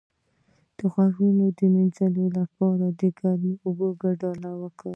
د غوږونو د مینځلو لپاره د ګرمو اوبو ګډول وکاروئ